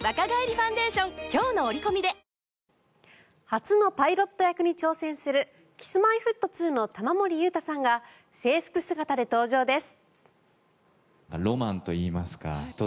初のパイロット役に挑戦するＫｉｓ−Ｍｙ−Ｆｔ２の玉森裕太さんが制服姿で登場です。